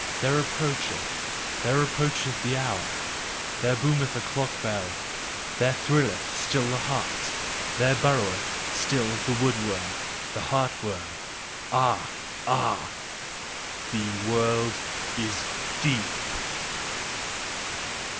There approacheth, there approacheth, the hour, There boometh the clock bell, there thrilleth still the heart, there burroweth still the wood worm, the heart worm. Ah! Ah! THE WORLD IS DEEP!